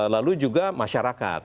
lalu juga masyarakat